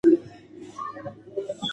موږ په ګډه د ناپوهۍ پر وړاندې مبارزه کوو.